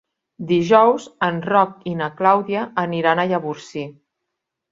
Dijous en Roc i na Clàudia aniran a Llavorsí.